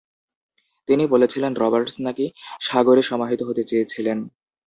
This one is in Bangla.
তিনি বলেছিলেন রবার্টস নাকি সাগরে সমাহিত হতে চেয়েছিলেন।